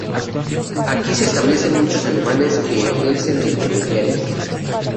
Aquí se establecen muchos alemanes que ejercen de intermediarios.